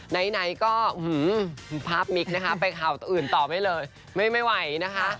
ไหนก็ภาพมิกนะคะไปข่าวอื่นต่อไปเลยไม่ไหวนะคะ